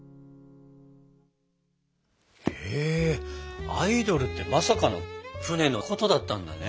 へえアイドルってまさかの船のことだったんだね。